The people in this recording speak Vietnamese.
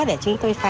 để chúng tôi sử dụng